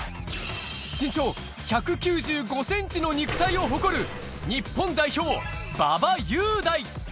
身長１９５センチの肉体を誇る日本代表・馬場雄大。